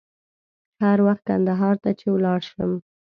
هر وخت کندهار ته چې ولاړ شم.